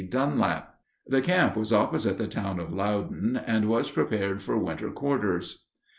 Dunlap. The camp was opposite the town of Loudon, and was prepared for winter quarters.